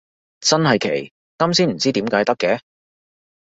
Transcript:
真係奇，啱先唔知點解得嘅